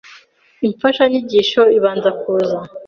Imfashanyigisho ibanza kuza